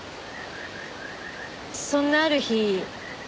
そんなある日